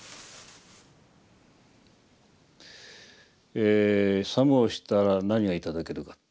え作務をしたら何が頂けるか。